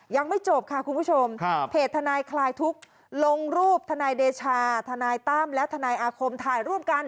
ยังไม่จบค่ะคุณผู้ชมเพจทนายคลายทุกข์ลงรูปทนายเดชาทนายตั้มและทนายอาคมถ่ายร่วมกัน